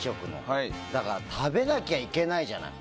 だから、食べなきゃいけないじゃない。